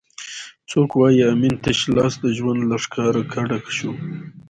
څوک وایي امین تش لاس د ژوند له ښاره کډه شو؟